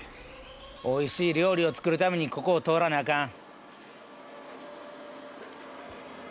おいしい料理を作るためにここを通らなあかん。